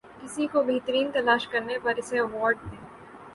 کسی کو بہترین تلاش کرنے پر اسے ایوارڈ دیں